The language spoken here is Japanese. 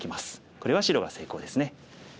これは白が成功ですね。